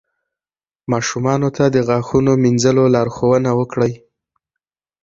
ماشومانو ته د غاښونو مینځلو لارښوونه وکړئ.